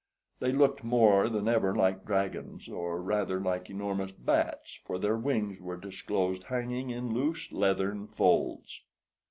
They looked more than ever like dragons, or rather like enormous bats, for their wings were disclosed hanging in loose leathern folds.